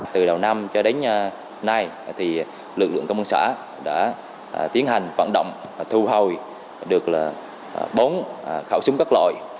từ đầu năm cho đến nay lực lượng công an xã đã tiến hành vận động thu hồi được bốn khẩu súng các loại